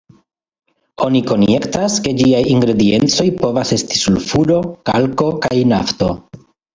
Oni konjektas, ke ĝiaj ingrediencoj povas esti sulfuro, kalko kaj nafto.